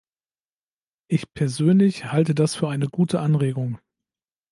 Ich persönlich halte das für eine gute Anregung.